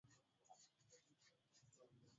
mwanajamuhuri mhafidhina Marjorie Taylor Greene